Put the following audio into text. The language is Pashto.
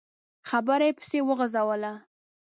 خبره يې پسې وغځوله.